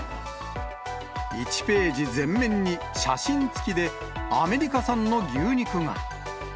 １ページ全面に写真付きでアメリカ産の牛肉が。